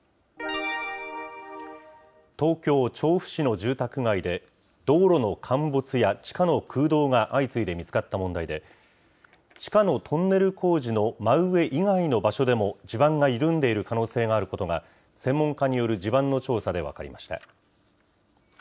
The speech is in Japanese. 東京・調布市の住宅街で、道路の陥没や地下の空洞が相次いで見つかった問題で、地下のトンネル工事の真上以外の場所でも、地盤が緩んでいる可能性があることが、専門家による地盤の調査で分かりました。